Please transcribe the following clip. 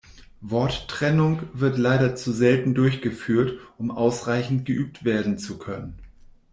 Worttrennung wird leider zu selten durchgeführt, um ausreichend geübt werden zu können.